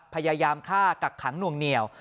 พยายามฆ่ากักขังหน่วงเหนียว